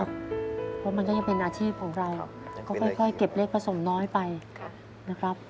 เพราะมันก็ยังเป็นอาชีพของเราก็ค่อยเก็บเลขผสมน้อยไปนะครับ